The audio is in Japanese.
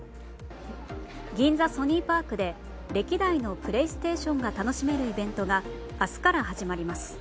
銀座ソニーパークで歴代のプレイステーションが楽しめるイベントが明日から始まります。